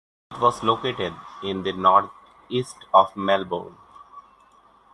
It was located in the north-east of Melbourne.